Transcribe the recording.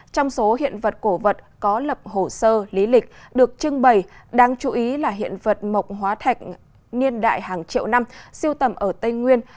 trong số hiện vật cổ vật có lập hồ sơ lý lịch được trưng bày đáng chú ý là hiện vật mộc hóa thạch niên đại hàng triệu năm siêu tầm ở tây nguyên